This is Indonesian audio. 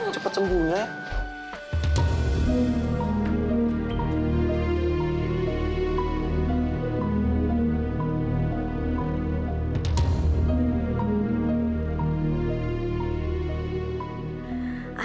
cepet sembuh ya